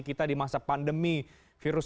kita di masa pandemi virus